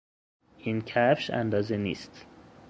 این کفش اندازه نیست.